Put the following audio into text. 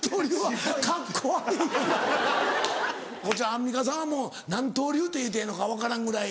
アンミカさんはもう何刀流って言うてええのか分からんぐらい。